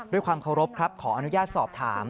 ด้วยความเคารพครับขออนุญาตสอบถาม